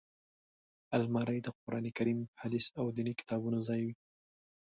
الماري د قران کریم، حدیث او ديني کتابونو ځای وي